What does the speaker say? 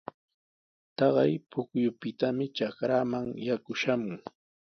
Taqay pukyupitami trakraaman yaku shamun.